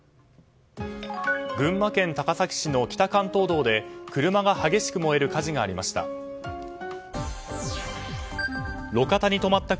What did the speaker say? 群馬県高崎市の北関東道で車が激しく燃える火事がありました。